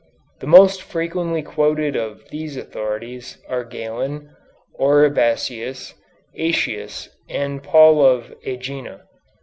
The most frequently quoted of these authorities are Galen, Oribasius, Aëtius, and Paul of Ægina.